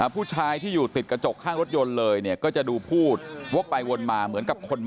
ผู้ชายที่อยู่ติดกระจกข้างรถยนต์เลยเนี่ยก็จะดูพูดวกไปวนมาเหมือนกับคน